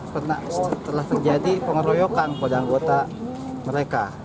pernah telah terjadi pengeroyokan pada anggota mereka